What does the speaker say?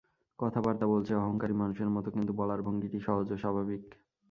কথাবার্তা বলছে অহঙ্কারী মানুষের মতো, কিন্তু বলার ভঙ্গিটি সহজ ও স্বাভাবিক।